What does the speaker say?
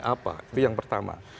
apa itu yang pertama